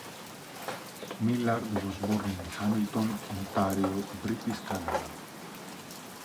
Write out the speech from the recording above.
Millard was born in Hamilton, Ontario, British Canada.